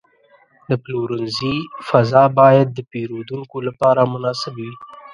د پلورنځي فضا باید د پیرودونکو لپاره مناسب وي.